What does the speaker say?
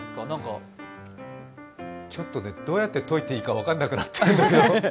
ちょっとね、どうやって解いていいか分からなくなってる。